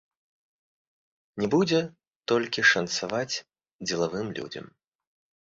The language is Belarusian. Не будзе толькі шанцаваць дзелавым людзям.